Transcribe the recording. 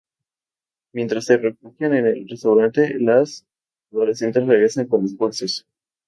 Mientras se refugian en el restaurante, las adolescentes regresan con refuerzos.